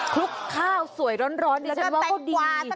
คลุกข้าวสวยร้อนแล้วจริงว่าก็ดี